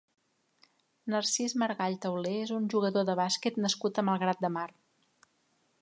Narcís Margall Tauler és un jugador de bàsquet nascut a Malgrat de Mar.